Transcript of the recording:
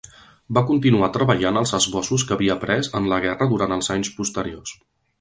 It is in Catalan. Va continuar treballant als esbossos que havia pres en la guerra durant els anys posteriors.